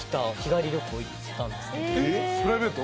プライベート？